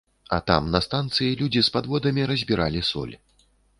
А там на станцыі людзі з падводамі разбіралі соль.